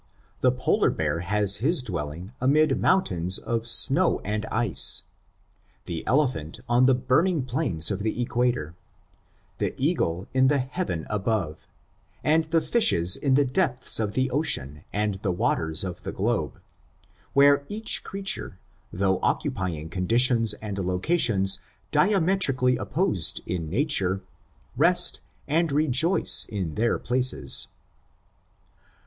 The polar bear has his dwelling amid mountains of snow and ice, the elephant on the burning plains of the equator, the eagle in the heaven above, and the fishes in the depths of the ocean and other waters of the globe, where each creature, though occupying conditions and lo cations diametrically opposed in nature, rest and re joice in their places.